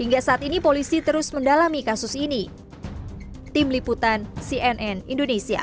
hingga saat ini polisi terus mendalami kasus ini